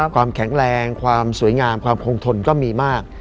ความแข็งแรงความสวยงามความคงทนก็มีมาก